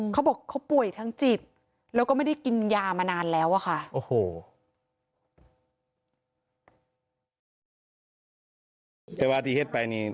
เขาบอกเขาป่วยทางจิตแล้วก็ไม่ได้กินยามานานแล้วอะค่ะ